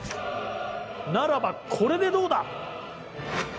ならばこれでどうだ！